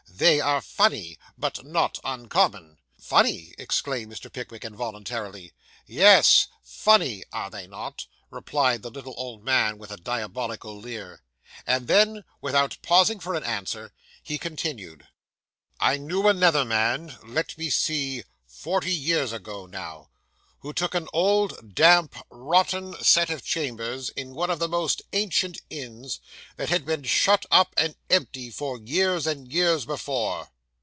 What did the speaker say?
They are funny, but not uncommon.' 'Funny!' exclaimed Mr. Pickwick involuntarily. 'Yes, funny, are they not?' replied the little old man, with a diabolical leer; and then, without pausing for an answer, he continued 'I knew another man let me see forty years ago now who took an old, damp, rotten set of chambers, in one of the most ancient inns, that had been shut up and empty for years and years before.